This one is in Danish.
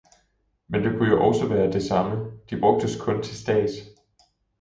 Men det kunne jo også være det samme, de brugtes kun til stads.